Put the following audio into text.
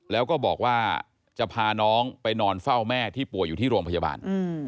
แล้วก็บอกว่าจะพาน้องไปนอนเฝ้าแม่ที่ป่วยอยู่ที่โรงพยาบาล